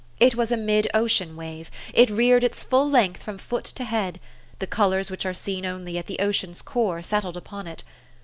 It was a mid ocean wave. It reared its full length from foot to head. The colors which are seen only at the ocean's core settled upon it.